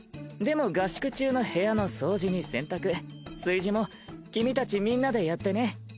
でも合宿中の部屋の掃除に洗濯炊事も君たちみんなでやってね。